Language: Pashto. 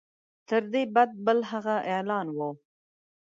تر دې بد بل هغه اعلان وو.